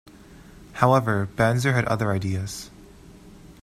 However, Banzer had other ideas.